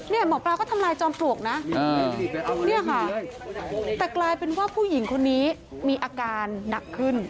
หมอปลาก็ทำลายจอมปลวกนะเนี่ยค่ะแต่กลายเป็นว่าผู้หญิงคนนี้มีอาการหนักขึ้น